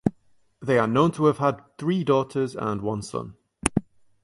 They are known to have had three daughters and one son.